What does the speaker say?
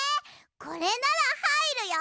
これならはいるよ。